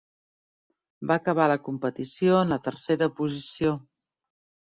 Va acabar la competició en la tercera posició.